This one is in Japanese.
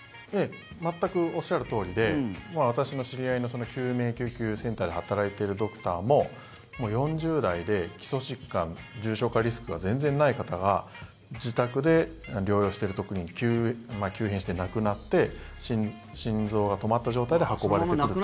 全くおっしゃるとおりで私の知り合いの救急救命センターで働いているドクターも４０代で、基礎疾患重症化リスクが全然ない方で自宅で療養している時に急変して亡くなって心臓が止まった状態で運ばれてくるとか。